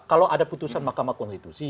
kalau ada putusan mahkamah konstitusi